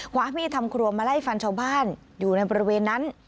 ความมีดทำครัวมาไล่ฟันชาวบ้านอยู่ในบริเวณนั้น